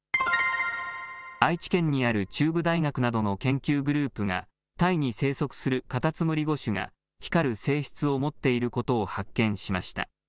愛知県にある中部大学などの研究グループが、タイに生息するカタツムリ５種が光る性質を持っていることを発見しました。